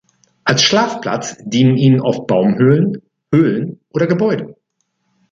Als Schlafplatz dienen ihnen oft Baumhöhlen, Höhlen oder Gebäude.